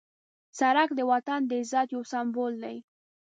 سړک د وطن د عزت یو سمبول دی.